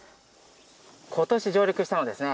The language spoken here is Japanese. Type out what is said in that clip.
今年上陸したのですね。